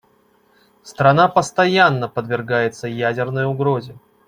Страна постоянно подвергается ядерной угрозе.